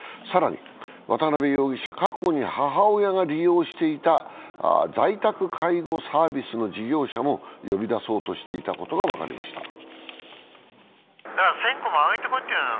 更に渡辺容疑者、過去に母親が利用していた在宅介護サービスの事業者も呼び出そうとしていたことが分かりました。